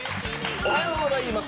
おはようございます。